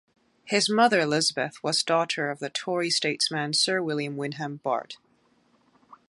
His mother Elizabeth was daughter of the Tory statesman Sir William Wyndham Bart.